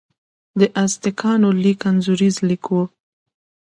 د ازتکانو لیک انځوریز لیک و.